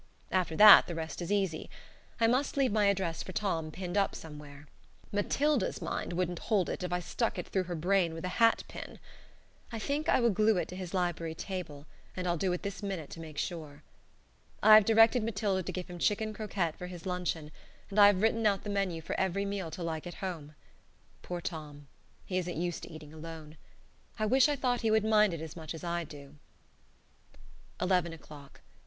After that the rest is easy. I must leave my address for Tom pinned up somewhere. Matilda's mind wouldn't hold it if I stuck it through her brain with a hat pin. I think I will glue it to his library table, and I'll do it this minute to make sure.... I have directed Matilda to give him chicken croquettes for his luncheon, and I have written out the menu for every meal till I get home. Poor Tom! He isn't used to eating alone. I wish I thought he would mind it as much as I do. Eleven o'clock.